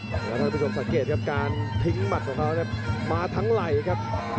แล้วเราจะไปสงสักเกตครับการทิ้งหมัดของเขานะครับ